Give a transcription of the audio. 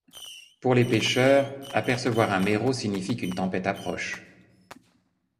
Pour les pêcheurs, apercevoir un merrow signifie qu'une tempête approche.